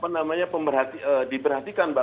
namanya diperhatikan mbak